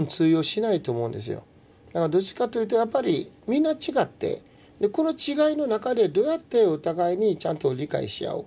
だからどっちかというとやっぱりみんな違ってこの違いの中でどうやってお互いにちゃんと理解し合う。